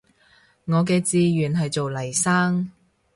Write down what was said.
我嘅志願係做黎生